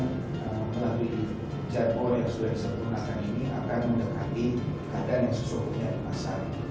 melalui jibor yang sudah disertakan akan mendekati keadaan yang sesungguhnya di pasar